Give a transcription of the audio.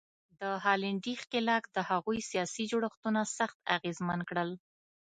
د هالنډي ښکېلاک د هغوی سیاسي جوړښتونه سخت اغېزمن کړل.